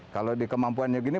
kalau dikemampuannya gini